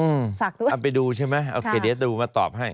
เอาไปดูใช่ไหมเอาเครดิสต์ดูมาตอบให้